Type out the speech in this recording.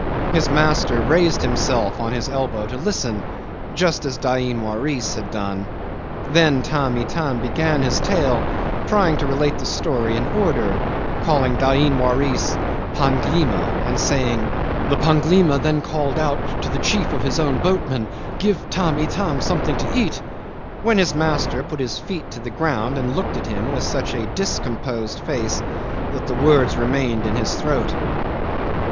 His master raised himself on his elbow to listen just as Dain Waris had done. And then Tamb' Itam began his tale, trying to relate the story in order, calling Dain Waris Panglima, and saying: "The Panglima then called out to the chief of his own boatmen, 'Give Tamb' Itam something to eat'" when his master put his feet to the ground and looked at him with such a discomposed face that the words remained in his throat.